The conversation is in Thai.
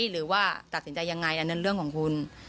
หรือว่าตัดสินใจยังไงอันนั้นเรื่องของคุณ